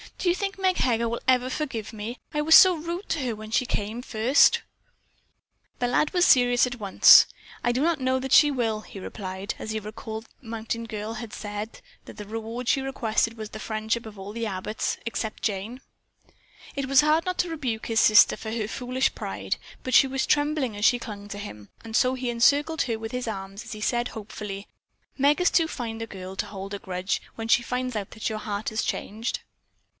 Do you think Meg Heger will ever forgive me? I was so rude to her when she first came." The lad was serious at once. "I do not know that she will," he replied as he recalled that the mountain girl had said the reward she requested was the friendship of all the Abbotts except Jane. It was hard not to rebuke his sister for her foolish pride, but she was trembling as she clung to him, and so he encircled her with his arm as he said hopefully: "Meg is too fine a girl to hold a grudge when she finds out that your heart has changed."